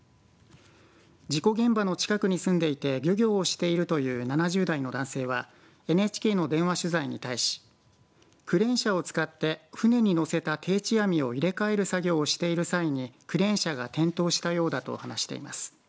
事故現場の近くに住んでいて漁業をしているという７０代の男性はＮＨＫの電話取材に対しクレーン車を使って船に載せた定置網を入れ替える作業をしている際にクレーン車が転倒したようだと話しています。